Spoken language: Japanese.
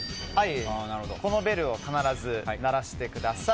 このベルを必ず鳴らしてください。